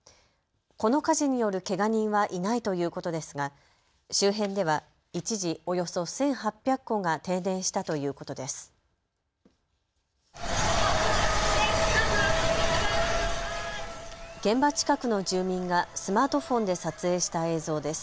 この火事によるけが人はいないということですが周辺では一時、およそ１８００戸が停電したということです。